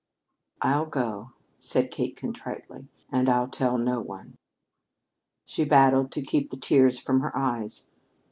"I'll go," said Kate contritely. "And I'll tell no one." She battled to keep the tears from her eyes.